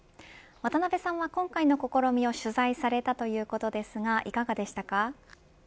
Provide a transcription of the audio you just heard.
渡辺さんは今回の試みを取材されたということですがいかがでしたか。